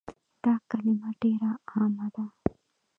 دا کلمه ډيره عامه ده